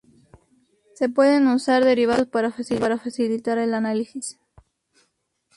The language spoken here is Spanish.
Se pueden usar derivados químicos para facilitar el análisis.